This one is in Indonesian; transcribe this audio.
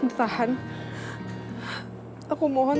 nanti kita akan dipersatukan